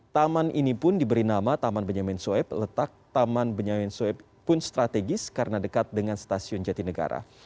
taman ini pun diberi nama taman benyamin sueb letak taman benyamin sueb pun strategis karena dekat dengan stasiun jatinegara